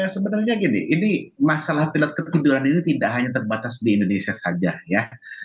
sebenarnya gini ini masalah pilot kekuduran ini tidak hanya terbatas di indonesia saja ya